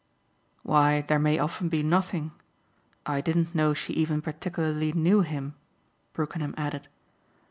"Why there may often be nothing. I didn't know she even particularly knew him," Brookenham added.